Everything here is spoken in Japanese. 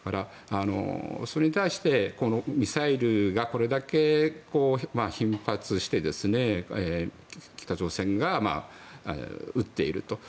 それに対して、ミサイルをこれだけ頻発して北朝鮮が撃っていると。